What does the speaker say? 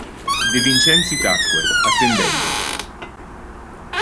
De Vincenzi tacque, attendendo.